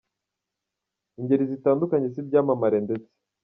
Ingeri zitandukanye z’ibyamamare ndetse.